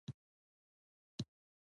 • ونه د چاپېریال ښه والي ته مرسته کوي.